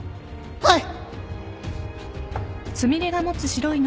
はい！